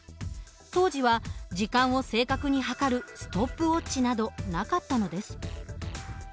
当時は時間を正確に計るストップウォッチなどなかったのです。